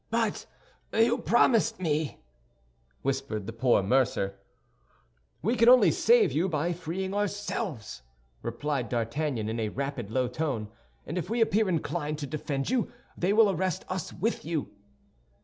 "But you promised me—" whispered the poor mercer. "We can only save you by being free ourselves," replied D'Artagnan, in a rapid, low tone; "and if we appear inclined to defend you, they will arrest us with you."